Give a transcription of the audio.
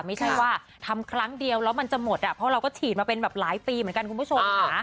ไม่ใช่ว่าทำครั้งเดียวแล้วมันจะหมดอ่ะเพราะเราก็ฉีดมาเป็นแบบหลายปีเหมือนกันคุณผู้ชมค่ะ